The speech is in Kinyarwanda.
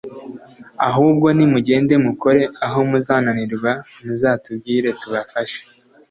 ahubwo nimugende mukore aho muzananirwa muzatubwire tubafashe